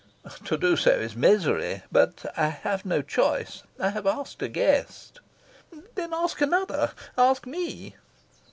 "To do so is misery. But I have no choice. I have asked a guest." "Then ask another: ask me!"